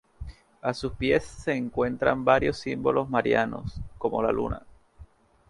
A sus pies se encuentran varios símbolos marianos, como la luna.